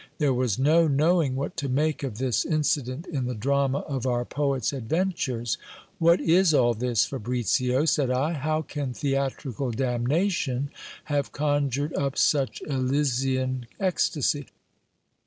There was no knowing what to make of this incident in the drama of our poet's adventures. What is all this, Fabricio? said I: how can theatrical damnation have conjured up such Elysian ecstacy?